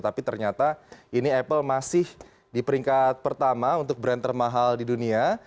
tapi ternyata ini apple masih di peringkat pertama untuk brand termahal di dunia